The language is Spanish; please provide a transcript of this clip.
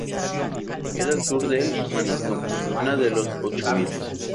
Queda al sur del Manaslu, una de los ochomiles.